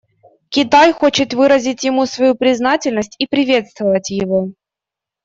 Китай хочет выразить ему свою признательность и приветствовать его.